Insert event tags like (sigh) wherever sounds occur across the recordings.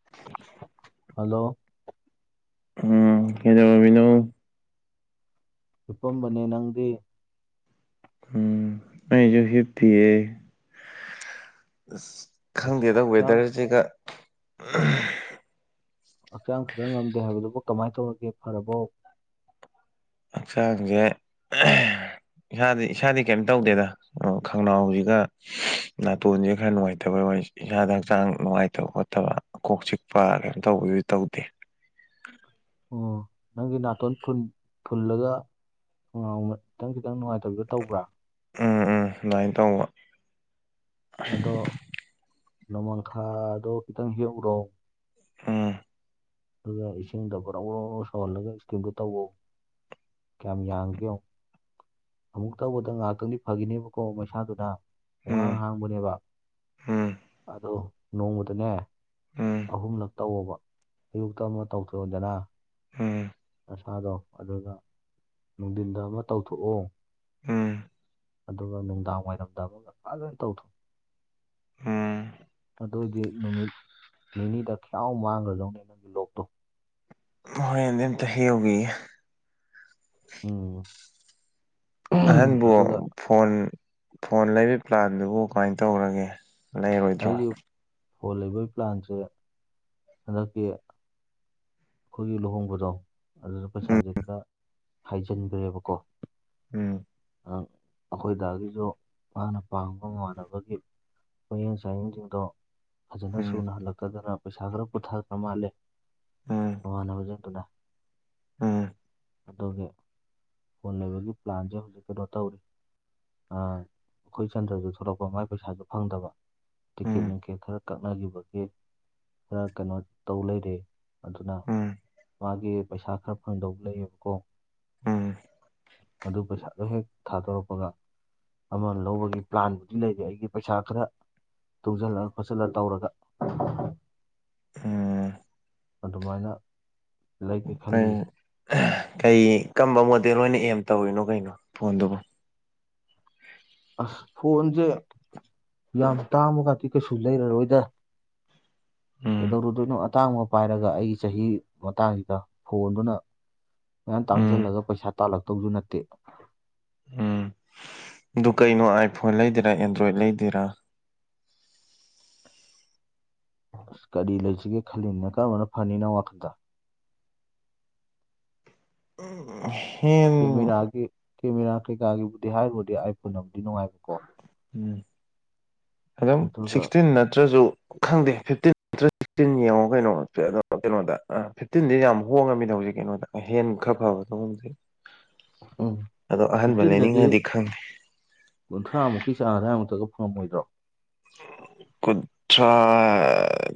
(inaudible) Hello ꯎꯝ ꯀꯩꯗꯧꯔꯝꯃꯤꯅꯣ ꯆꯨꯞꯄꯝꯕꯅꯦ ꯅꯪꯗꯤ ꯎꯝ ꯑꯩꯁꯨ ꯍꯤꯞꯇꯤꯌꯦ ꯑꯁ ꯍꯛꯆ- ꯈꯪꯗꯦꯗ ꯍꯛꯆꯥꯡ ꯋꯦꯗꯔꯁꯤꯒ ꯎꯝ ꯍꯛꯆꯥꯡ ꯈꯔ ꯉꯝꯗꯦ ꯍꯥꯏꯕꯗꯨꯕꯨ ꯀꯃꯥꯏ ꯇꯧꯔꯒꯦ ꯐꯔꯕꯣ ꯍꯛꯆꯥꯡꯁꯦ (unintelligible) ꯏꯁꯥꯗꯤ ꯏꯁꯥꯗꯤ ꯀꯩꯝ ꯇꯧꯗꯦꯗ ꯈꯪꯅꯥꯎꯖꯤꯒ ꯅꯥꯇꯣꯟꯁꯦ ꯈꯔ ꯅꯨꯡꯉꯥꯏꯇꯕꯩ ꯋꯥꯔꯤ ꯏꯁꯥꯗ ꯍꯛꯆꯥꯡ ꯅꯨꯡꯉꯥꯏꯇꯕ ꯈꯣꯠꯇꯕ ꯀꯣꯛ ꯆꯤꯛꯄ ꯀꯩꯅꯨꯝ ꯇꯧꯕꯗꯨꯗꯤ ꯇꯧꯗꯦ ꯑꯣ ꯅꯪꯒꯤ ꯅꯥꯇꯣꯟ ꯐꯨꯟ ꯐꯨꯜꯂꯒ ꯉꯥꯎꯅꯥ ꯇꯪ ꯈꯤꯇꯪ ꯅꯨꯡꯉꯥꯏꯇꯕꯤꯗꯣ ꯇꯧꯕ꯭ꯔꯥ ꯎꯝ ꯎꯝ ꯗꯨꯃꯥꯏ ꯇꯧꯕ ꯑꯗꯣ ꯅꯣꯡꯃꯥꯡꯈꯥꯗꯣ ꯈꯤꯇꯪ ꯍꯦꯛꯎꯔꯣ ꯎꯝ ꯑꯗꯨꯒ ꯏꯁꯤꯡꯗ ꯒꯣꯔꯣꯡ ꯒꯣꯔꯣꯡ ꯒꯣꯔꯣꯡ ꯁꯧꯍꯜꯂꯒ ꯏꯁꯀꯤꯃꯗꯨ ꯇꯧꯑꯣ ꯀꯌꯥꯝ ꯌꯥꯝꯒꯦ ꯌꯦꯡꯉꯣ ꯑꯃꯨꯛ ꯇꯧꯕꯗ ꯉꯥꯏꯍꯥꯛꯇꯪꯗꯤ ꯐꯈꯤꯅꯦꯕꯀꯣ ꯃꯩꯁꯥꯗꯨꯅ ꯎꯝ ꯋꯥꯉꯥꯡ ꯍꯥꯡꯕꯅꯦꯕ ꯎꯝ ꯑꯗꯨ ꯅꯣꯡꯃꯗꯅꯦ ꯎꯝ ꯑꯍꯨꯝꯂꯛ ꯇꯧꯋꯕ ꯑꯌꯨꯛꯇ ꯑꯃꯨ ꯇꯧꯊꯣꯛꯑꯑꯣꯗꯅ ꯎꯝ ꯃꯁꯥꯗꯣ ꯑꯗꯨꯒ ꯅꯨꯡꯊꯤꯟꯗ ꯑꯃ ꯇꯧꯊꯣꯛꯑꯣ ꯎꯝ ꯑꯗꯨꯒ ꯅꯨꯡꯗꯥꯡ ꯋꯥꯏꯔꯝꯗꯕꯒ ꯐꯖꯣꯏꯅ ꯇꯧꯊꯣꯛꯑꯦ ꯎꯝ ꯑꯗꯣꯒꯤ ꯅꯨꯃꯤꯠ ꯅꯤꯅꯤꯗ ꯈꯌꯥꯌꯥꯝꯥꯎ ꯃꯥꯡꯈ꯭ꯔꯗꯧꯅꯦ ꯅꯪꯒꯤ ꯂꯣꯛꯇꯣ ꯍꯣꯔꯦꯟꯗꯤ ꯑꯝꯇ ꯍ ꯌꯧꯕꯤꯌꯦ ꯑꯝ ꯑꯍꯟꯕꯨ ꯐꯣꯟ ꯐꯣꯟ ꯂꯩꯕꯩ ꯄ꯭ꯂꯥꯟꯗꯨꯕꯨ ꯀꯃꯥꯏꯅ ꯇꯧꯔꯒꯦ ꯂꯩꯔꯣꯏꯗ꯭ꯔꯣ ꯑꯩꯒꯤ ꯐꯣꯟ ꯂꯩꯕꯒꯤ ꯄ꯭ꯂꯥꯟꯁꯦ ꯍꯟꯗꯛꯀꯤ ꯑꯩꯈꯣꯏꯒꯤ ꯂꯨꯍꯣꯡꯕꯗꯣ ꯑꯗꯨꯗ ꯎꯝ ꯄꯩꯁꯥꯁꯦ ꯈꯔ ꯍꯥꯏꯖꯤꯟꯈ꯭ꯔꯦꯕꯀꯣ ꯎꯝ ꯑꯩꯈꯣꯏꯗꯥꯗꯒꯤꯁꯨ ꯃꯥꯅ ꯄꯥꯝꯕ ꯃꯥꯟꯅꯕꯒꯤ ꯍꯌꯦꯡ ꯆꯥꯌꯦꯡꯁꯤꯡꯗꯣ ꯐꯖꯅ ꯁꯨꯅ ꯍꯜꯂꯛꯇꯗꯅ ꯄꯩꯁꯥ ꯈꯔ ꯄꯨꯊꯥꯗꯅ ꯃꯥꯜꯂꯦ ꯎꯝ (unintelligible) ꯎꯝ ꯑꯗꯨꯒꯤ ꯐꯣꯜ ꯂꯩꯕꯒꯤ ꯄ꯭ꯂꯥꯟꯁꯦ ꯍꯧꯖꯤꯛ ꯀꯩꯅꯣ ꯇꯧꯔꯤ ꯑꯩꯈꯣꯏ ꯆꯟꯗ꯭ꯔꯁꯨ ꯊꯣꯛꯂꯛꯄ ꯃꯥꯏ ꯄꯩꯁꯥꯁꯨ ꯐꯪꯗꯕ ꯇꯤꯀꯦꯠ ꯅꯨꯡꯀꯦꯠ ꯈꯔ ꯀꯛꯅꯈꯤꯕꯒꯤꯦ ꯈꯔ ꯀꯩꯅꯣ ꯇꯧ ꯂꯩꯔꯦ ꯑꯗꯨꯅ ꯎꯝ ꯃꯥꯒꯤ ꯄꯩꯁꯥ ꯈꯔ ꯐꯪꯗꯧꯕ ꯂꯩꯌꯦꯕꯀꯣ ꯎꯝ ꯑꯗꯨꯗꯨ ꯄꯩꯁꯥꯗꯣ ꯍꯦꯛ ꯊꯥꯗꯣꯔꯛꯄꯒ ꯑꯃ ꯂꯧꯕꯒꯤ ꯄ꯭ꯂꯥꯟꯕꯨꯗꯤ ꯂꯩꯔꯦ ꯑꯩꯒꯤ ꯄꯩꯁꯥ ꯈꯔ ꯇꯨꯡꯁꯤꯜꯂ ꯈꯣꯠꯆꯤꯜꯂ ꯇꯧꯔꯒ ꯑꯝ ꯑꯗꯨꯃꯥꯏꯅ ꯂꯩꯒꯦ ꯀꯩ ꯈꯜꯂꯤꯌꯦ ꯀꯩ ꯀꯝꯕ ꯃꯣꯗꯦꯜ ꯑꯣꯏꯅ ꯑꯦꯝ ꯇꯧꯔꯤꯅꯣ ꯀꯩꯅꯣ ꯐꯣꯟꯗꯨꯕꯨ ꯑꯁ ꯐꯣꯟꯁꯦ ꯌꯥꯝ ꯇꯥꯡꯃꯒꯇꯤ ꯀꯩꯁꯨ ꯂꯩꯔꯔꯣꯏꯗ ꯎꯝ ꯀꯩꯗꯧꯔꯨꯗꯣꯏꯅꯣ ꯑꯇꯥꯡꯕ ꯄꯥꯏꯔꯒ ꯑꯩꯒꯤ ꯆꯍꯤ ꯃꯇꯥꯡꯁꯤꯗ ꯐꯣꯟꯗꯨꯅ ꯃꯌꯥꯝ ꯎꯝ ꯇꯥꯡꯁꯤꯜꯂꯒ ꯄꯩꯁꯥ ꯇꯥꯜꯂꯛꯇꯧꯁꯨ ꯅꯠꯇꯦ ꯎꯝ ꯑꯗꯨ ꯀꯩꯅꯣ ꯑꯥꯏꯐꯣꯟ ꯂꯩꯗꯔꯥ ꯑꯦꯟꯗ꯭ꯔꯣꯏꯗ ꯂꯩꯗꯦꯔꯥ ꯑꯁ ꯀꯔꯤ ꯂꯩꯁꯤꯒꯦ ꯈꯜꯂꯤꯅ ꯀꯔꯝꯕꯅ ꯐꯅꯤꯅꯣ ꯋꯥꯈꯜꯗ (unintelligible) ꯀꯦꯃꯦꯔꯥꯒꯤ ꯀꯦꯃꯦꯔꯥ ꯀꯩꯀꯥꯒꯤꯕꯨꯗꯤ ꯍꯥꯏꯔꯨꯕꯨꯗꯤ ꯑꯥꯏꯐꯣꯟꯕꯨꯗꯤ ꯅꯨꯡꯉꯥꯏꯕꯀꯣ ꯎꯝ ꯑꯗꯨꯝ ꯑꯗꯨꯒ ꯁꯤꯛꯁꯇꯤꯟ ꯅꯠꯇ꯭ꯔꯁꯨ ꯈꯪꯗꯦ ꯐꯤꯐꯇꯤꯟ ꯅꯠꯇ꯭ꯔ ꯁꯤꯛꯁꯇꯤꯟ ꯌꯦꯡꯉꯣ ꯀꯩꯅꯣ ꯑꯗꯣ ꯀꯩꯅꯣꯗ ꯐꯤꯐꯇꯤꯟꯗꯤ ꯌꯥꯝ ꯍꯣꯡꯉꯝꯃꯤꯅꯦ ꯍꯧꯖꯤꯛ ꯀꯩꯅꯣꯗ ꯍꯦꯟ ꯈꯔ ꯐꯕ ꯇꯉꯝꯁꯦ ꯎꯝ ꯐꯤꯐꯇꯤꯟꯤꯟꯗꯇ ꯂꯩꯅꯤꯡꯉꯗꯤ ꯈꯪꯗꯦ ꯀꯨꯟꯊ꯭ꯔꯥꯃꯨꯛꯀꯤ ꯆꯥꯡ ꯑ꯭ꯋꯥꯏꯃꯨꯛꯇ ꯐꯪꯉꯃꯣꯏꯗ꯭ꯔꯣ (inaudible) ꯈꯨꯠ ꯇ꯭ꯔꯥ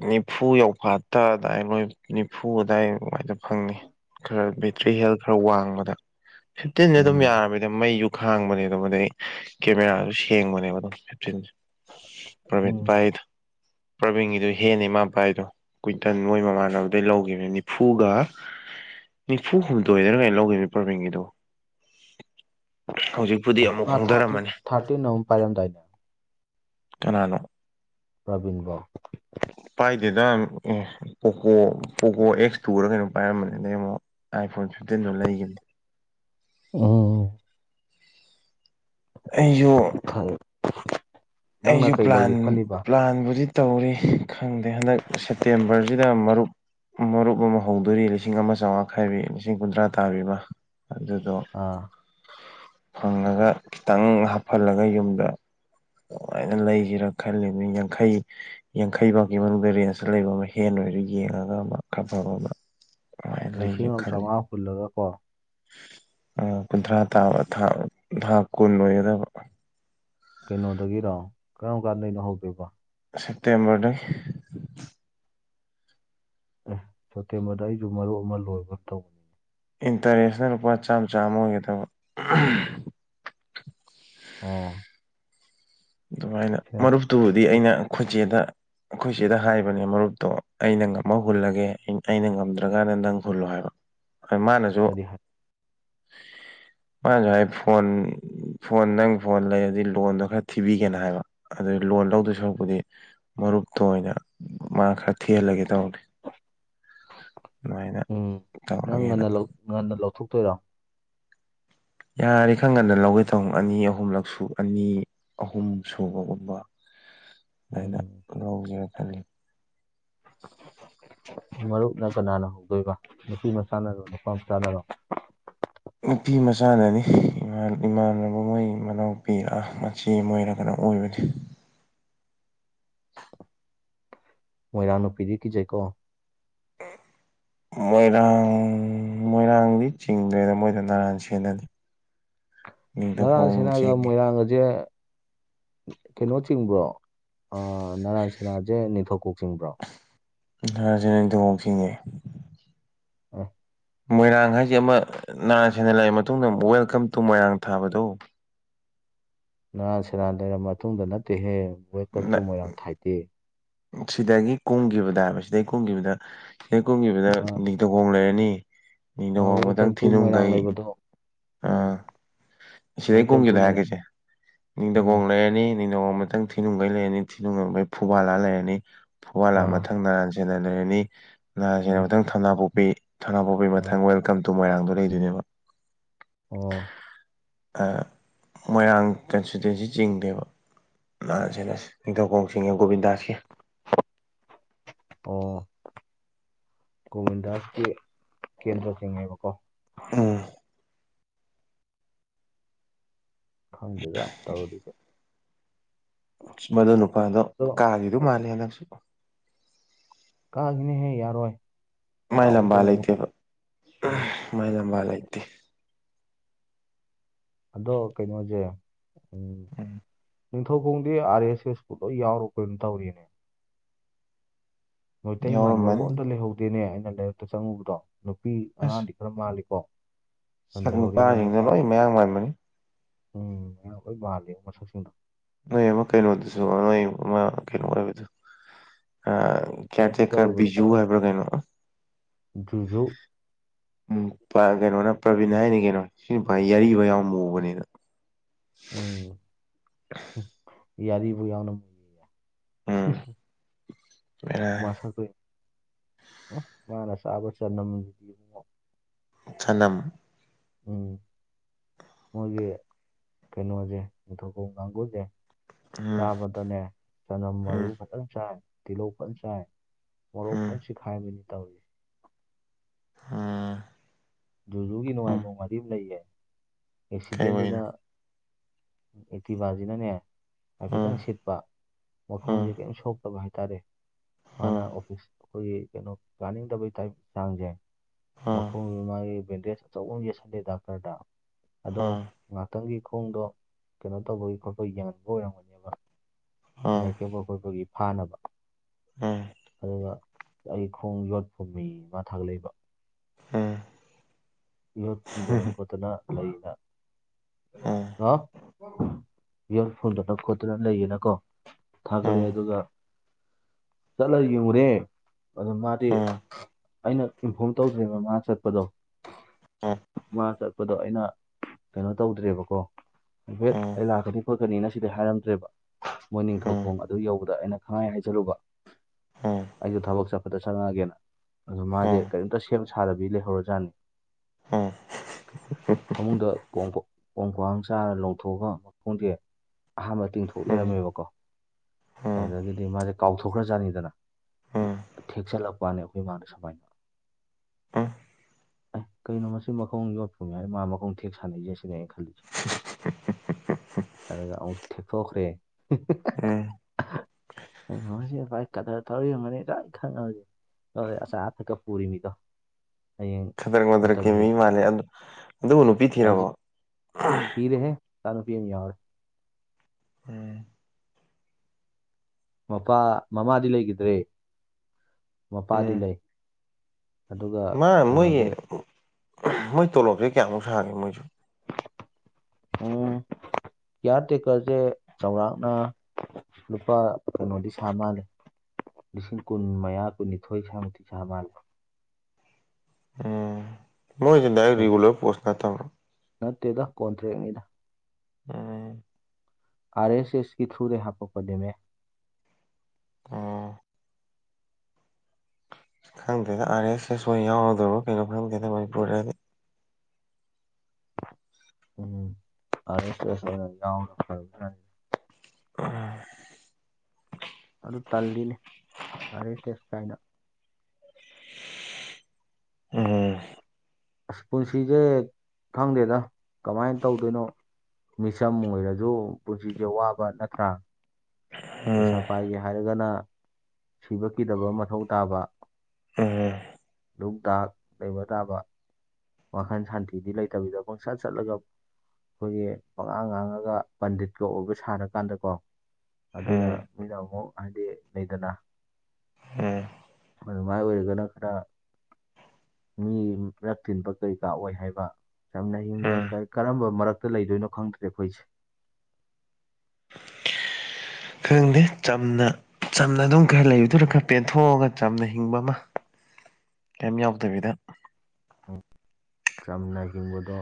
ꯅꯤꯐꯨ ꯌꯧꯐꯥꯠꯇ ꯑꯗꯨꯗꯥꯏ ꯂꯣꯏ ꯅꯤꯐꯨ ꯑꯗꯨꯋꯥꯏ ꯐꯪꯉꯤ ꯈꯔ ꯕꯦꯇ꯭ꯔꯤ ꯍꯦꯜꯊ ꯈꯔ ꯋꯥꯡꯕꯗ ꯐꯤꯐꯇꯤꯟꯁꯦ ꯑꯗꯨꯝ ꯎꯝ ꯌꯥꯔꯕꯗ ꯃꯩ ꯁꯨ ꯈꯥꯡꯕꯅꯦ ꯑꯗꯨꯒꯗꯤ ꯀꯦꯃꯦꯔꯥꯁꯨ ꯁꯦꯡꯕꯅꯦꯕ ꯑꯗꯨꯝ ꯐꯤꯞꯇꯤꯟꯁꯦ ꯄ꯭ꯔꯕꯤꯟ ꯎꯝ ꯚꯥꯏꯗ ꯄ꯭ꯔꯕꯤꯟꯒꯤꯗꯨ ꯍꯦꯟꯅꯤ ꯃꯥ ꯄꯥꯏꯗꯣ ꯀꯨꯋꯟꯇꯜ ꯃꯣꯏ ꯃꯃꯥꯟꯅꯕꯗꯩ ꯂꯧꯒꯤꯕꯅꯦ ꯅꯤꯐꯨꯒ ꯅꯤꯐꯨ ꯍꯨꯝꯗꯣꯏꯗꯔ ꯀꯩꯅꯣ ꯂꯧꯒꯤꯕꯅꯤ ꯄ꯭ꯔꯕꯤꯟꯒꯤꯗꯣ (inaudible) ꯍꯧꯖꯤꯛꯄꯨꯗꯤ ꯃꯥ ꯑꯃꯨꯛ ꯊꯥꯔꯇꯤꯟ ꯍꯣꯡꯗꯔꯝꯃꯅꯤ ꯊꯥꯔꯇꯤꯟ ꯑꯃ ꯄꯥꯏꯔꯝꯗꯥꯏꯅꯦ ꯀꯅꯥꯅꯣ ꯄ꯭ꯔꯕꯤꯟꯕꯣ ꯄꯥꯏꯗꯦꯗ ꯑꯦ ꯄꯣꯀꯣ ꯄꯣꯀꯣ ꯑꯦꯛꯁ ꯇꯨꯔ ꯀꯩꯅꯣ ꯄꯥꯏꯔꯝꯕꯅꯦ ꯑꯗꯩ ꯑꯃꯨꯛ ꯑꯥꯏ ꯐꯣꯟ ꯐꯤꯞꯇꯤꯟꯗꯣ ꯂꯩꯒꯤꯝꯅꯦ ꯎꯝ ꯑꯩꯖꯨ (unintelligible) ꯅꯪꯅ ꯑꯩꯁꯨ ꯀꯩ ꯄ꯭ꯂꯥꯟ ꯂꯩꯒꯦ ꯈꯜꯂꯤꯕ ꯄ꯭ꯂꯥꯟꯕꯨꯗꯤ ꯇꯧꯔꯤ ꯈꯪꯗꯦ ꯍꯟꯗꯛ ꯁꯦꯞꯇꯦꯝꯕꯔꯁꯤꯗ ꯃꯔꯨꯞ ꯃꯔꯨꯞ ꯑꯃ ꯍꯧꯗꯣꯔꯤ ꯂꯤꯁꯤꯡ ꯑꯃ ꯆꯧꯉꯥ ꯈꯥꯏꯕꯤ ꯂꯤꯁꯤꯡ ꯀꯨꯟꯊ꯭ꯔꯥ ꯇꯥꯕꯤꯕ ꯑꯗꯨꯗꯣ ꯑꯥ ꯐꯪꯉꯥꯒ ꯈꯤꯇꯪ ꯍꯥꯞꯐꯜꯂꯒ ꯌꯨꯝꯗ ꯗꯨꯃꯥꯏꯅ ꯂꯩꯖꯤꯔꯥ ꯈꯜꯂꯤꯝꯅꯤ ꯌꯥꯡꯈꯩ ꯌꯥꯡꯈꯩ ꯐꯥꯎꯒꯤ ꯃꯅꯨꯡꯗ ꯔꯦꯟꯖꯇ ꯂꯩꯕ ꯑꯃ ꯍꯦꯟ ꯑꯣꯏꯔꯖꯨ ꯌꯦꯡꯉꯥꯒ ꯑꯃ ꯈꯥꯐꯕꯃꯥ ꯑꯃ ꯑꯗꯨꯃꯥꯏꯅ ꯂꯩꯒꯦ ꯂꯤꯁꯤꯡ ꯑꯃ ꯈꯜꯂꯤ ꯆꯧꯉꯥ ꯍꯨꯜꯂꯒ ꯀꯣ ꯑꯥ ꯀꯨꯟꯊ꯭ꯔꯥ ꯇꯥꯕ ꯊꯥ ꯊꯥ ꯀꯨꯟ ꯑꯣꯏꯒꯗꯕ ꯀꯩꯅꯣꯗꯒꯤꯔꯣ ꯀꯔꯝ ꯀꯥꯟꯗꯩꯅꯣ ꯍꯧꯗꯣꯏꯕꯣ ꯁꯦꯞꯇꯦꯝꯕꯔꯗꯩ ꯑꯦ ꯁꯦꯞꯇꯦꯝꯕꯔꯗ ꯑꯩꯁꯨ ꯃꯔꯨꯞ ꯑꯃ ꯂꯣꯏꯕ ꯇꯧꯕ ꯏꯟꯇꯔꯦꯁꯅ ꯂꯨꯄꯥ ꯆꯥꯝ ꯆꯥꯝꯃ ꯑꯣꯏꯒꯗꯕ ꯑꯣ ꯑꯗꯨꯃꯥꯏꯅ ꯁꯦꯞ ꯃꯔꯨꯞꯇꯨꯕꯨꯗꯤ ꯁꯦꯞ ꯑꯩꯅ ꯈꯣꯏ ꯆꯦꯗ ꯑꯩꯈꯣꯏ ꯆꯦꯗ ꯍꯥꯏꯕꯅꯦ ꯃꯔꯨꯞꯇꯣ ꯑꯩꯅ ꯉꯝꯃꯥ ꯍꯨꯜꯂꯒꯦ ꯑꯩꯅ ꯉꯝꯗ꯭ꯔꯀꯥꯟꯗ ꯅꯪ ꯍꯨꯜꯂꯣ ꯍꯥꯏꯕ ꯍꯣꯏ ꯃꯥꯅꯁꯨ ꯀꯔꯤ ꯍꯥꯏ ꯃꯥꯅꯁꯨ ꯍꯥꯏ ꯐꯣꯟ ꯐꯣꯟ ꯅꯪ ꯐꯣꯟ ꯂꯩꯔꯗꯤ ꯂꯣꯟꯗꯣ ꯈꯔ ꯊꯤꯕꯤꯒꯦꯅ ꯍꯥꯏꯕ ꯑꯗꯨ ꯂꯣꯟ ꯂꯧꯗꯣꯏ ꯁꯔꯨꯛꯄꯨꯗꯤ ꯃꯔꯨꯞꯇꯣ ꯑꯣꯏꯅ ꯃꯥ ꯈꯔ ꯊꯤꯍꯜꯂꯒꯦ ꯇꯧꯕꯅꯤ ꯑꯗꯨꯃꯥꯏꯅ ꯎꯝ ꯅꯪ ꯇꯧꯔꯒꯦꯅ ꯉꯟꯅ ꯂꯧ ꯉꯟꯅ ꯂꯧꯊꯣꯛꯇꯣꯏꯔꯣ ꯌꯥꯔꯗꯤ ꯈꯔꯥꯉꯟꯅ ꯂꯧꯒꯦ ꯇꯧꯅꯤ ꯑꯅꯤ ꯑꯍꯨꯝꯂꯛꯁꯨ ꯑꯅꯤ ꯑꯍꯨꯝ ꯁꯨꯕꯒꯨꯝꯕ (inaudible) ꯑꯗꯥꯏꯅ ꯂꯧꯖꯤꯔ ꯈꯜꯂꯤ ꯃꯔꯨꯞꯅ ꯀꯅꯥꯅ ꯍꯧꯗꯣꯏꯕ ꯅꯨꯄꯤ ꯃꯆꯥꯅꯔꯣ ꯅꯨꯄꯥ ꯃꯆꯥꯅꯔꯣ ꯅꯨꯄꯤ ꯃꯆꯥꯅꯅꯤ ꯏꯃꯥꯟ ꯏꯃꯥꯟꯅꯕ ꯃꯣꯏ ꯃꯅꯥꯎꯄꯤꯔ ꯃꯆꯦ ꯃꯣꯏꯔꯥ ꯀꯩꯅꯣꯝ ꯑꯣꯏꯕꯅꯤ ꯃꯣꯏꯔꯥꯡꯅꯨꯄꯤꯗꯤ ꯀꯤꯖꯩꯀꯣ (inaudible) ꯃꯣꯏꯔꯥꯡ ꯃꯣꯏꯔꯥꯡꯗꯤ ꯆꯤꯡꯗ꯭ꯔꯦꯗ ꯃꯣꯏꯗꯣ ꯅꯔꯥꯟ ꯁꯦꯟꯅꯅꯤ ꯅꯤꯡꯊꯧꯈꯣꯡ ꯅꯔꯥꯟꯁꯦꯅꯒ ꯆꯤꯡꯉꯤ ꯃꯣꯏꯔꯥꯡꯒꯖꯦ ꯀꯩꯅꯣ ꯆꯤꯡꯕ꯭ꯔꯣ ꯑꯥ ꯅꯔꯥꯟ ꯁꯦꯟꯅꯥꯖꯦ ꯅꯤꯡꯊꯧꯀꯣꯛ ꯆꯤꯡꯕ꯭ꯔꯣ ꯑ ꯅꯤꯡꯊꯧꯀꯣꯛ ꯆꯤꯡꯉꯦ ꯑꯣ ꯃꯣꯏꯔꯥꯡ ꯍꯥꯏꯁꯦ ꯑꯃ ꯅꯔꯥꯟ ꯁꯦꯟꯅ ꯂꯩꯔꯥ ꯃꯇꯨꯡꯗ ꯋꯦꯜꯀꯝ ꯇꯨ ꯃꯣꯏꯔꯥꯡ ꯊꯥꯕꯗꯣ ꯅꯔꯥꯟ ꯁꯦꯟꯅꯥ ꯂꯩꯔ ꯃꯇꯨꯡꯗ ꯅꯠꯇꯦꯍꯦ ꯋꯦꯜꯀꯝ ꯇꯨ ꯃꯣꯏꯔꯥꯡ ꯊꯥꯏꯗꯤ ꯁꯤꯗꯒꯤ ꯀꯨꯝꯒꯤꯕꯗ ꯍꯥꯏꯕ ꯁꯤꯗꯩ ꯀꯨꯝꯒꯤꯕꯗ ꯁꯤꯗꯩ ꯀꯨꯝꯒꯤꯕꯗ ꯑꯥ ꯗꯒꯣꯡ ꯂꯩꯔꯅꯤ ꯑꯥ ꯃꯤꯗꯒꯣꯡ ꯃꯇꯪ ꯋꯦꯜꯀꯝ ꯇꯨ ꯃꯣꯏꯔꯥꯡ ꯊꯤꯅꯨꯡꯒꯩ ꯂꯩꯕꯗꯣ ꯑꯥ ꯎꯝ ꯁꯤꯗꯩ ꯋꯦꯜꯀꯝ ꯇꯨ ꯀꯨꯝꯕꯤꯗ ꯃꯣꯏꯔꯥꯡ ꯍꯥꯏꯔꯛꯀꯁꯦ ꯅꯤꯡꯗꯀꯣꯡ ꯎꯝ ꯂꯩꯔꯅꯤ (unintelligible) ꯃꯊꯪ ꯊꯤꯅꯨꯡꯒꯩ ꯂꯩꯔꯅꯤ ꯊꯤꯅꯨꯡ ꯐꯨꯋꯥꯂ ꯂꯩꯔꯅꯤ ꯐꯨꯋꯥꯂ ꯑꯥ ꯃꯊꯪ ꯅꯥ (unintelligible) ꯂꯩꯔꯅꯤ ꯅꯁꯦꯟꯅ ꯎꯝ ꯃꯊꯪ ꯊꯝꯅꯥꯄꯣꯛꯄꯤ ꯊꯝꯅꯥꯄꯣꯛꯄꯤ ꯃꯊꯪ ꯑꯥ (unintelligible) ꯀꯝ ꯇꯨ ꯃꯣꯏꯔꯥꯡꯗꯣ ꯂꯩꯗꯣꯏꯅꯦꯕ ꯑꯣ ꯑꯥ ꯃꯣꯏꯔꯥꯡ ꯀꯟꯁꯇꯤꯇ꯭ꯋꯦꯟꯁꯤ ꯆꯤꯡꯗꯦꯕ (unintelligible) ꯅꯤꯡꯊꯧꯀꯣꯡ ꯒꯣꯕꯤꯟꯗꯥꯁꯀꯤ ꯑꯣ ꯒꯣꯕꯤꯟꯗꯥꯁꯀꯤ ꯀꯦꯟꯗ꯭ꯔꯆꯤꯡꯉꯦꯕꯀꯣ ꯎꯝ ꯈꯪꯗꯦꯗꯥ ꯇꯧꯔꯤꯗ ꯃꯗꯨ ꯅꯨꯄꯥꯗꯣ ꯑꯗꯣ ꯀꯥꯒꯤꯗꯨ ꯃꯥꯜꯂꯦ ꯍꯟꯗꯛꯁꯨ ꯀꯥꯈꯤꯅꯦꯍꯦ ꯌꯥꯔꯣꯏ ꯃꯥꯏ ꯆꯥꯎꯋꯤ ꯂꯝꯕꯥ ꯀꯩꯅꯣ ꯃꯣꯏ ꯂꯩꯇꯦꯕ ꯎꯝ ꯃꯥꯏ ꯂꯝꯕꯥ ꯂꯩꯇꯦ ꯑꯗꯣ ꯀꯩꯅꯣꯖꯦ ꯎꯝ ꯅꯤꯡꯊꯧꯈꯣꯡꯗꯤ ꯑꯥꯔ ꯑꯦꯁ ꯑꯦꯁꯄꯨ ꯂꯣꯏ ꯌꯥꯎꯔꯛ (unintelligible) ꯇꯧꯔꯤꯅꯦ ꯃꯩꯇꯩ ꯃꯥꯟꯕꯕꯨ ꯌꯥꯎꯔꯝꯃꯅꯤ ꯑꯝꯇ ꯂꯩꯍꯧꯗꯦꯅꯦ ꯑꯩꯅ ꯂꯥꯏꯔꯤꯛꯇ ꯆꯪꯉꯨꯕꯗꯣ ꯅꯨꯄꯤ ꯑꯁ ꯑꯉꯥꯡꯗꯤ ꯈꯔ ꯃꯥꯜꯂꯤꯀꯣ ꯁꯛ ꯂꯩꯍꯧꯔꯤꯕ ꯅꯨꯄꯥꯁꯤꯡ ꯅꯨꯄꯥ ꯂꯣꯏ ꯃꯌꯥꯡ ꯃꯥꯟꯕꯅꯤ ꯎꯝ ꯃꯌꯥꯝ ꯂꯣꯏ ꯃꯥꯜꯂꯤ ꯃꯁꯛꯁꯤꯡꯗꯣ ꯅꯣꯏ ꯑꯃ ꯀꯩꯅꯣꯗꯨꯁꯨ ꯅꯣꯏ ꯑꯃ ꯀꯩꯅꯣ ꯑꯣꯏꯕꯗꯨ ꯑ ꯀꯤꯌꯥꯔ ꯇꯦꯀꯔ ꯀꯤꯌꯔꯇꯦꯛꯀꯔ ꯑꯣꯏꯕ ꯕꯤꯖꯨ ꯍꯥꯏꯕ꯭ꯔꯣ ꯀꯩꯅꯣ ꯖꯨꯖꯨ ꯎꯝ ꯀꯩꯅꯣꯅ ꯄ꯭ꯔꯕꯤꯟ ꯍꯥꯏꯅꯤ ꯀꯩꯅꯣ ꯁꯤ ꯐꯩ ꯌꯥꯔꯤꯕ ꯌꯥꯎ ꯃꯨꯕꯅꯤꯅ ꯎꯝ ꯌꯥꯔꯤꯕ ꯌꯥꯝꯎꯅ ꯎꯝ ꯕꯦꯔꯥ (unintelligible) ꯎ ꯃꯥꯅ ꯆꯥꯕ ꯆꯗꯝꯗꯨꯗꯤ ꯏꯕꯨꯡꯉꯣ ꯁꯥꯅꯝ ꯎꯝ ꯃꯣꯏꯒꯤ ꯀꯩꯅꯣꯁꯦ ꯅꯤꯡꯊꯧꯈꯣꯡ ꯀꯥꯡꯕꯨꯁꯦ ꯎꯝ ꯆꯥꯕꯗꯅꯦ ꯆꯅꯝ ꯃꯔꯨ ꯎꯝ ꯐꯖꯅ ꯆꯥꯏ ꯇꯤꯜꯍꯧ ꯐꯖꯅ ꯆꯥꯏ ꯃꯣꯔꯣꯛ ꯐꯅ ꯎꯝ ꯆꯤꯈꯥꯏꯕꯅꯤ ꯇꯧꯔꯤ (unintelligible) ꯖꯨꯖꯨꯒꯤ ꯅꯨꯡꯉꯥꯏꯕ ꯎꯝ ꯋꯥꯔꯤ ꯑꯃ ꯂꯩꯌꯦ ꯀꯩ ꯑꯦꯛꯁꯤꯗꯦꯟꯗꯨꯗ ꯑꯣꯏꯅꯣ ꯑꯛ ꯏꯇꯤꯕꯖꯤꯅꯅꯦ ꯎꯝ ꯍꯥꯏꯐꯦꯠꯇꯪ ꯁꯤꯠꯄ ꯃꯈꯣꯡꯁꯦ ꯎꯝ ꯀꯔꯤꯝ ꯁꯣꯛꯇꯕ ꯍꯥꯏꯇꯥꯔꯦ ꯎꯝ ꯎꯝ ꯎꯝ ꯎꯝ ꯎꯝ ꯎꯝ ꯎꯝ ꯎꯝ ꯎꯝ ꯎꯝ ꯃꯥꯅ ꯎꯝ ꯑꯣꯐꯤꯁ ꯑꯩꯈꯣꯏꯒꯤ ꯀꯩꯅꯣ ꯀꯥꯅꯤꯡꯗꯕꯩ ꯇꯥꯏꯞ ꯆꯥꯡꯁꯦ ꯎꯝ ꯃꯈꯣꯡꯗꯨ ꯃꯥꯏ ꯕꯦꯟꯗꯦꯖ ꯑꯆꯧꯕ ꯑꯃ ꯌꯦꯠꯁꯟꯂꯦ ꯗꯥꯛꯇꯔꯗ ꯑꯗꯣ ꯎꯝ ꯉꯥꯛꯇꯪꯒꯤ ꯈꯣꯡꯗꯣ ꯀꯩꯅꯣ ꯇꯧꯕꯒꯤ ꯈꯣꯠꯄ ꯌꯦꯡꯍꯟꯕ ꯑꯣꯏꯔꯝꯒꯅꯤ ꯂꯩꯊꯦꯛꯄ ꯈꯣꯠꯄꯒꯤ ꯐꯥꯅꯕ ꯎꯝ ꯑꯗꯨꯒ ꯑꯩꯒꯤ ꯈꯣꯡ ꯌꯣꯠꯄꯨꯝꯃꯤ ꯃꯥ ꯊꯥꯒꯠꯂꯛꯏꯕ ꯎꯝ ꯌꯣꯠ ꯐꯨꯝꯗꯣꯛꯔꯛꯄꯗꯨꯅ ꯎꯝ (unintelligible) ꯌꯣꯠ ꯐꯨꯝꯗꯣꯛꯔꯛꯄꯥꯗꯨꯅꯥ ꯂꯩꯌꯦꯅꯀꯣ ꯎꯝ ꯊꯥꯒꯠꯂꯛꯦ ꯑꯗꯨꯒ ꯆꯠꯂ ꯌꯦꯡꯉꯨꯔꯦ ꯑꯗꯣ ꯃꯥꯗꯤ ꯑꯩꯅ ꯏꯅꯐꯣꯔꯝ ꯇꯧꯗ꯭ꯔꯤꯕ ꯃꯥ ꯆꯠꯄꯗꯣ ꯃꯥ ꯆꯠꯄꯗꯣ ꯑꯩꯅ ꯀꯩꯅꯣ ꯇꯧꯗ꯭ꯔꯦꯕꯀꯣ ꯍꯦꯠ ꯑꯩ ꯂꯥꯛꯀꯅꯤ ꯈꯣꯠꯀꯅꯤꯅ ꯁꯤꯗꯤ ꯍꯥꯏꯔꯝꯗ꯭ꯔꯦꯕ ꯃꯣꯏ ꯅꯤꯡꯊꯧꯈꯣꯡ ꯑꯗꯨ ꯌꯧ ꯑꯗ ꯑꯩꯅ ꯈꯪꯍꯥꯏ ꯍꯥꯏ ꯖꯤꯜꯂꯨꯕ ꯑꯩꯁꯨ ꯊꯕꯛ ꯆꯠꯄꯗ ꯁꯪꯉꯛꯒꯦꯅ ꯑꯗꯣ ꯃꯥꯁꯦ ꯀꯔꯤꯝꯇ ꯁꯦꯝ ꯁꯥꯗꯕꯤ ꯂꯩꯍꯧꯔꯖꯥꯠꯅꯤ (inaudible) ꯐꯃꯨꯡꯗ (unintelligible) ꯈꯣꯡꯈ꯭ꯋꯥ ꯑꯝ ꯆꯥꯔ ꯂꯧꯊꯣꯛꯑꯒ ꯝꯈꯣꯡꯖꯦ ꯑꯍꯥꯟꯕ ꯇꯤꯡꯊꯣꯛ ꯂꯩꯔꯝꯃꯦꯕꯀꯣ ꯎꯝ ꯑꯗꯨꯗꯒꯤꯗꯤ ꯃꯥꯁꯦ ꯀꯥꯎꯊꯣꯛꯈ꯭ꯔꯖꯥꯠꯅꯤꯗꯅ ꯎꯝ ꯎꯝ ꯊꯦꯛꯆꯜꯂꯛꯄꯅꯦ ꯑꯩꯈꯣꯏ ꯏꯃꯅ ꯁꯨꯃꯥꯏꯅ ꯑꯦ ꯀꯩꯅꯣ ꯃꯁꯤ ꯃꯈꯣꯡ ꯌꯣꯠꯄꯅꯤ ꯍꯥꯏꯔ ꯃꯥ ꯃꯈꯣꯡ ꯊꯦꯛ ꯁꯥꯟꯅꯩꯁꯦ ꯁꯤꯅꯦ ꯑꯩꯅ ꯈꯜꯂꯤꯁꯦ ꯑꯗꯨ ꯑꯃꯨꯛ ꯊꯦꯊꯣꯛꯈ꯭ꯔꯦ ꯎꯝ ꯉꯁꯤꯚꯥꯏ ꯀꯊ ꯇꯧꯔꯤꯕ ꯃꯅꯤ ꯏ ꯈꯪꯉꯖꯤꯦ ꯍꯣꯏ ꯑ ꯍꯥꯏꯊ ꯀ ꯄꯨꯔꯤ ꯃꯤ ꯀꯡ ꯊꯥꯗꯔꯛ ꯃꯊꯔꯛꯀꯤ ꯃꯤ ꯃꯥꯜꯂꯦ ꯑꯗꯨ ꯑꯗꯨꯕꯨ ꯅꯨꯄꯤ ꯊꯤꯔꯕꯣ ꯔꯦ ꯁꯅꯨ ꯀ ꯑꯅꯤ ꯌꯥꯔ ꯎꯝ ꯃꯄꯥ ꯃꯃꯥꯗꯤ ꯂꯩꯈꯤꯗ꯭ꯔꯦ ꯃꯄꯥꯗꯤ ꯎꯝ ꯂꯩ ꯑꯗꯨꯒ ꯃꯥ ꯃꯣꯏ ꯀꯩꯅꯣꯗꯤ ꯃꯣꯏ ꯇꯣꯂꯣꯞꯁꯦ ꯀꯌꯥꯃꯨꯛ ꯁꯥꯥꯡꯒꯦ ꯃꯣꯏꯁꯨ ꯎꯝ ꯀꯤꯌꯥꯔ ꯇꯦꯛꯀꯔꯁꯦ ꯆꯥꯎꯧꯔꯥꯛꯅ ꯂꯨꯄꯥ ꯀꯩꯅꯣꯗꯤ ꯁꯥ ꯃꯥꯜꯂꯦ ꯂꯤꯁꯤꯡ ꯀꯨꯟ ꯃꯌꯥ ꯀꯨꯟꯅꯤꯊꯣꯏ ꯁꯥꯃꯨꯛꯇꯤ ꯆꯥ ꯃꯥꯜꯂꯦ ꯎꯝ ꯃꯣꯏ ꯗꯥꯏꯔ ꯇꯧ- ꯔꯔꯤꯒꯨꯔ ꯄꯣꯁ ꯅꯠꯇꯝꯣ ꯅꯠꯇꯦꯗ ꯀꯣꯟꯇ꯭ꯔꯦꯛꯅꯤꯗ ꯎꯝ ꯑꯔ ꯑꯦꯁ ꯑꯦꯁꯀꯤ ꯊ꯭ꯔꯨ ꯔꯦ ꯍꯥ ꯄꯣꯛꯄꯅꯦ ꯑꯥ ꯈꯪꯗꯦꯗ ꯑꯔꯦꯁꯦ ꯁ ꯌꯥꯎꯔꯗꯣ ꯀꯩꯅꯣ ꯈꯪꯗꯦꯗ ꯃꯅꯤꯄꯨꯔꯗꯤ ꯎꯝ ꯑꯁꯁ ꯌꯥ ꯐ ꯑ ꯑꯗꯨ ꯇꯜꯂꯤꯅꯤ ꯇꯔꯩꯁꯦꯁ ꯀꯥꯏꯅ ꯑꯣ ꯑꯁ ꯄꯨꯟꯁꯤꯁꯦ ꯈꯪꯗꯦꯗ ꯀꯃꯥꯏꯅ ꯇꯧꯗꯣꯏꯅꯣ ꯃꯤꯁꯝ ꯑꯣꯏꯔꯁꯨ ꯄꯨꯟꯁꯤꯁꯦ ꯋꯥꯕ ꯅꯠꯇ꯭ꯔꯥ ꯄꯩꯁꯥ ꯎꯝ ꯄꯥꯏꯒꯦ ꯍꯥꯏꯔꯒꯅ ꯁꯤꯕ ꯀꯗꯕ ꯃꯊꯧ ꯇꯥꯕ ꯎꯝ ꯅꯨꯡ ꯇꯥꯛ ꯂꯩꯕ ꯇꯥꯕ ꯋꯥꯈꯜ ꯁꯥꯟꯇꯤꯗꯤ ꯂꯩꯇꯕꯤꯗ ꯄꯨꯡꯁꯥꯠ ꯆꯠꯂꯒ ꯑꯩꯈꯣꯏꯒꯤ ꯑꯉꯥꯡ ꯉꯥꯡꯉꯒ ꯄꯟꯗꯤꯠꯀ ꯑꯣꯏꯕ ꯁꯥꯥꯟꯔꯀꯥꯟꯗꯀꯣ ꯑꯗꯨꯅ ꯎꯝ ꯃꯤꯅ ꯑꯃꯨꯛ ꯍꯥꯏꯗꯤ ꯂꯩꯗꯅ ꯎꯝ ꯑꯗꯨꯃꯥꯏ ꯑꯣꯏꯔꯒꯅ ꯈꯔ ꯃꯤ ꯃꯔꯞ ꯊꯤꯟꯕ ꯀꯩ ꯀꯥ ꯑꯣꯏ ꯍꯥꯏꯕ ꯆꯝꯅ ꯍꯤꯡꯕ ꯎꯝ ꯀꯔꯝꯕ ꯃꯔꯛꯇ ꯂꯩꯗꯣꯏꯅꯣ ꯈꯪꯗ꯭ꯔꯦ ꯑꯩꯈꯣꯏꯁꯦ ꯈꯪꯗꯦ ꯆꯝꯅ ꯆꯝꯅ ꯑꯗꯨꯝ ꯈꯔ ꯂꯩꯕꯗꯨꯔ ꯈꯔ ꯄꯦꯟꯊꯣꯛꯑꯒ ꯆꯝꯅ ꯍꯤꯡꯕ ꯑꯃ ꯀꯝ ꯌꯥꯎꯗꯕꯤꯗ ꯆꯝꯅ ꯍꯤꯡꯕꯗꯣ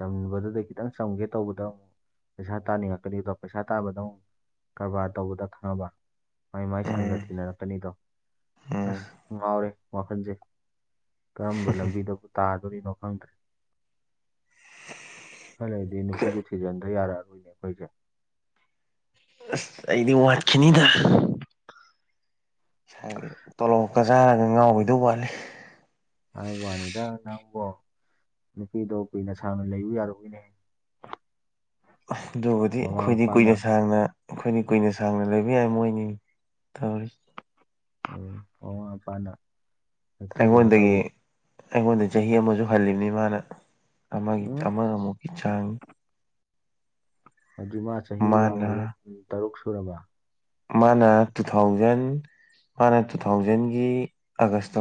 ꯆꯝꯕꯗꯨꯗ ꯈꯤꯇꯪ ꯆꯝꯒꯦ ꯇꯧꯕꯗꯣ ꯑꯃꯨꯛ ꯄꯩꯁꯥ ꯇ ꯅ ꯑꯦꯛꯂꯤꯗ ꯄꯩꯁꯥ ꯇ ꯀꯔꯕꯥꯔ ꯇꯧꯕꯗ ꯈꯪꯅꯕ ꯃꯥꯏ ꯃꯥꯏ ꯁꯪꯒ ꯎꯝ ꯊꯤꯅꯔꯛꯀꯅꯤꯗꯣ ꯎꯝ ꯑꯁ ꯉꯥꯎꯔꯦ ꯋꯥꯈꯜꯁꯦ ꯀꯔꯝꯕ ꯂꯝꯕꯤꯗ ꯑꯗꯨꯕꯨ ꯇꯥꯗꯣꯔꯤꯅꯣ ꯈꯪꯗ꯭ꯔꯦ ꯈꯜꯂꯗꯤ ꯅꯨꯄꯤꯁꯦ ꯊꯤꯖꯤꯟꯗ ꯌꯥꯔꯛꯑꯔꯣꯏꯅꯦ ꯑꯩꯈꯣꯏꯁꯦ ꯑꯁ ꯑꯩꯗꯤ ꯋꯥꯠꯈꯤꯅꯤꯗ ꯉꯁꯥꯏꯒꯤ ꯇꯣꯂꯣꯞꯀ ꯆꯥꯔꯒ ꯉꯥꯎꯕꯗꯧ ꯋꯥꯠꯂꯤ ꯍꯥꯏ ꯋꯥꯅꯤꯗꯅꯕꯣ ꯅꯨꯄꯤꯗꯣ ꯀꯨꯏꯅ ꯁꯥꯡꯅ ꯂꯩꯕ ꯌꯥꯔꯨꯕꯒꯤꯅꯦ ꯑꯗꯨꯒꯕꯨꯗꯤ ꯑꯩꯈꯣꯏꯗꯤ ꯃꯄꯥꯅ ꯀꯨꯏꯅ ꯁꯥꯡꯅ ꯑꯩꯈꯣꯏꯅꯤ ꯀꯨꯏꯅ ꯁꯥꯡꯅ ꯂꯩꯕ ꯌꯥꯏ ꯃꯣꯏꯅꯤ ꯇꯧꯔꯤ ꯎ ꯍꯄꯅ ꯑꯩꯉꯣꯟꯗꯒꯤ ꯑꯩꯉꯣꯟꯗ ꯆꯍꯤ ꯑꯃꯁꯨ ꯍꯜꯂꯤꯕꯅꯤ ꯃꯥꯅ ꯑꯃꯒꯤ ꯎꯝ ꯑꯃꯒ ꯑꯃꯨꯛ ꯏꯆꯥꯡ ꯍꯧꯖꯤꯛ ꯃꯥ ꯆꯍꯤ ꯃꯥꯅ ꯌꯥꯝꯃꯕꯗ ꯀꯨꯟ ꯇꯔꯨꯛ ꯁꯨꯔꯕ꯫ ꯃꯥꯅ ꯇꯨꯊꯥꯎꯖꯟ ꯃꯥꯅ ꯇꯨꯊꯥꯎꯖꯟꯒꯤ ꯑꯥꯒꯁꯇ꯫